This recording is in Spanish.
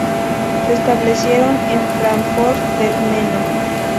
Se establecieron en Fráncfort del Meno.